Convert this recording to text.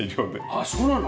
あっそうなの？